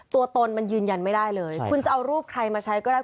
ตนมันยืนยันไม่ได้เลยคุณจะเอารูปใครมาใช้ก็ได้